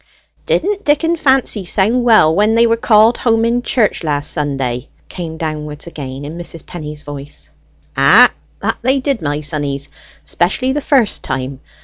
"Didn't Dick and Fancy sound well when they were called home in church last Sunday?" came downwards again in Mrs. Penny's voice. "Ay, that they did, my sonnies! especially the first time.